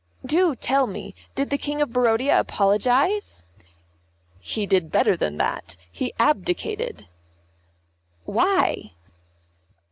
"Do tell me, did the King of Barodia apologise?" "He did better than that, he abdicated." "Why?"